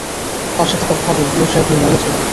তাঁর সাথে তার খাদিম ইউশা ইবন নূনও ছিলেন।